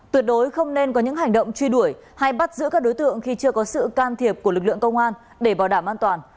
tuyệt đối không nên có những hành động truy đuổi hay bắt giữ các đối tượng khi chưa có sự can thiệp của lực lượng công an để bảo đảm an toàn